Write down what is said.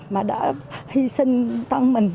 mà đã hy sinh tăng mình